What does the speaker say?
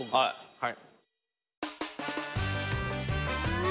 はい。